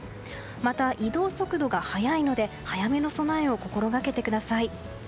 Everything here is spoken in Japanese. また、移動速度が速いので早めの備えを心掛けてください。